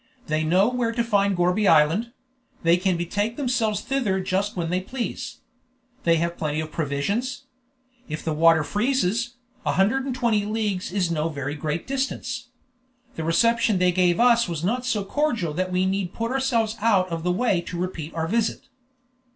They know where to find Gourbi Island; they can betake themselves thither just when they please. They have plenty of provisions. If the water freezes, 120 leagues is no very great distance. The reception they gave us was not so cordial that we need put ourselves out of the way to repeat our visit."